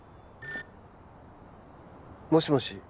もしもし？